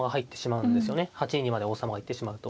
８二まで王様が行ってしまうと。